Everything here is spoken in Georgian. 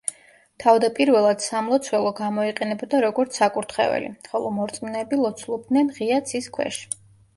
თავდაპირველად სამლოცველო გამოიყენებოდა როგორც საკურთხეველი, ხოლო მორწმუნეები ლოცულობდნენ ღია ცის ქვეშ.